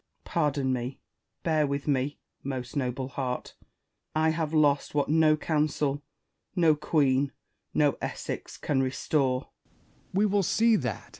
Pardon me, bear with me, most noble heart ! I have lost what no Council, no Queen, no Essex, can restore. Essex. We will see that.